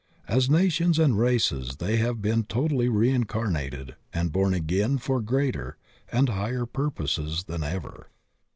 As nations and races they have been totally reincarnated and bom again for greater and higher purposes than ever.